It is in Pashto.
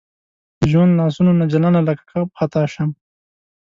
د ژوند لاسونو نه جلانه لکه کب خطا شم